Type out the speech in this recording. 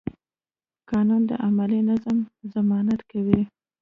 قانون د عملي نظم ضمانت کوي.